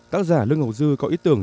tác giả lương ngọc dư có ý tưởng